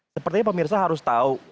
sepertinya pemirsa harus tau